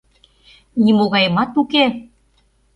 Нимогайымат уке...